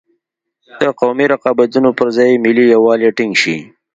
د قومي رقابتونو پر ځای ملي یوالی ټینګ شي.